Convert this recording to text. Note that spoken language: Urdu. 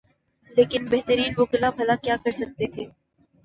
لیکن بہترین وکلا بھلا کیا کر سکتے تھے۔